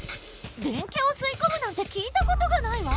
デンキャをすいこむなんて聞いたことがないわ。